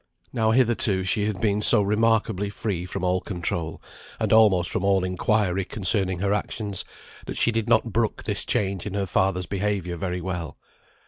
Now hitherto she had been so remarkably free from all control, and almost from all inquiry concerning her actions, that she did not brook this change in her father's behaviour very well.